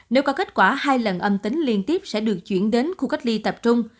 nếu có kết quả hai lần âm tính liên tiếp sẽ được chuyển đến khu cách ly tập trung